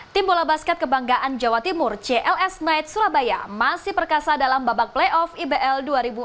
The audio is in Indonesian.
tim bola basket kebanggaan jawa timur cls knight surabaya masih perkasa dalam babak playoff ibl dua ribu dua puluh